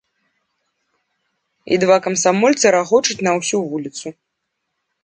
І два камсамольцы рагочуць на ўсю вуліцу.